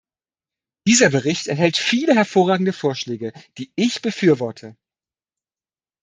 Dieser Bericht enthält viele hervorragende Vorschläge, die ich befürworte.